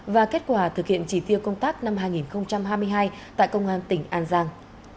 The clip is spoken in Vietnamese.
và kết quả thực hiện chỉ tiêu công tác năm hai nghìn hai mươi hai tại công an tỉnh an giang